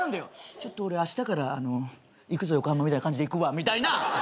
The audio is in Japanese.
「ちょっと俺あしたから『いくぞ横浜』みたいな感じでいくわ」みたいな。